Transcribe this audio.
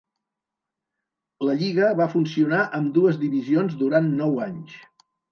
La lliga va funcionar amb dues divisions durant nou anys.